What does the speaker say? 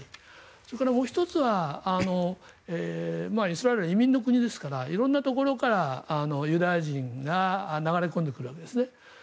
それからもう１つはイスラエルは移民の国ですから色んなところからユダヤ人が流れ込んでくるわけですね。